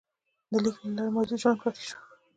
د لیک له لارې ماضي ژوندی پاتې شو.